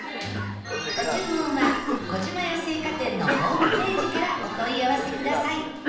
ご注文は小島屋製菓店のホームページからお問い合わせください